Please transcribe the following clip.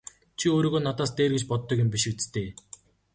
Чи өөрийгөө надаас дээр гэж боддог юм биш биз дээ!